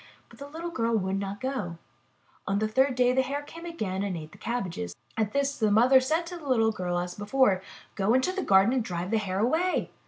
But the little girl would not go. The third day the Hare came again and ate the cabbages. At this, the mother said to the little girl as before: *'Go into the garden and drive the Hare away."